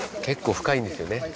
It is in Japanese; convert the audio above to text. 結構深いんですよね。